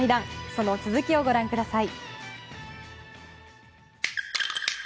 その続きをご覧ください。